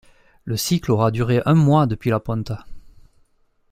Le cycle aura duré un mois depuis la ponte.